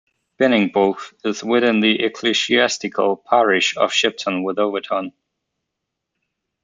Beningbrough is within the ecclesiastical parish of Shipton with Overton.